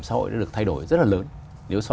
xã hội đã được thay đổi rất là lớn nếu so